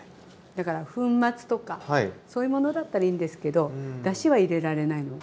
だから粉末とかそういうものだったらいいんですけどだしは入れられないの。